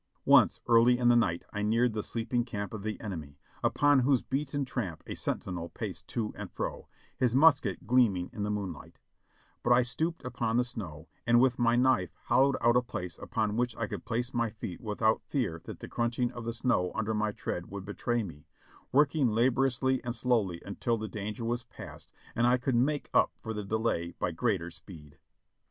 Once, early in the night, I neared the sleeping camp of the enemy, upon whose beaten tramp a sentinel paced to and fro, his musket gleaming in the moonlight; but I stooped upon the snow% and with my knife hollowed out a place upon W'hich I could place my feet without fear that the crunching of the snow under my tread would betray me, working laboriously and slowdy until the danger was past and I could make up for the delay by greater speed.